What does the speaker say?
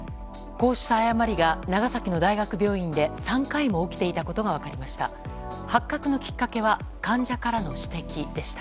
こうした誤りが長崎の大学病院で３回も起きていたことが分かりました。